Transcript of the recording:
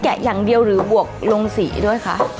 อย่างเดียวหรือบวกลงสีด้วยคะ